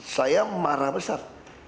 saya marah besar